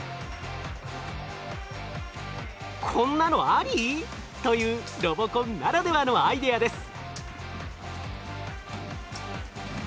「こんなのあり？」というロボコンならではのアイデアです。